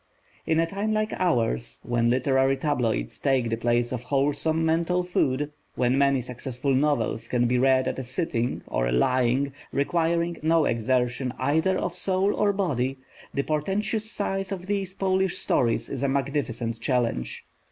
In a time like ours, when literary tabloids take the place of wholesome mental food, when many successful novels can be read at a sitting or a lying requiring no exertion either of soul or body the portentous size of these Polish stories is a magnificent challenge.